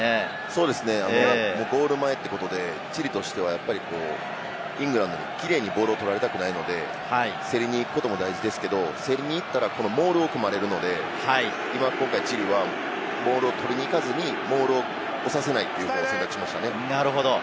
そうですね、ゴール前ってことで、チリとしてはイングランドにキレイにボールを取られたくないので、競りに行くことも大事ですけれども、競りに行ったらモールを組まれるので、今、今回チリはボールを取りに行かずにモールを押させさせないということ。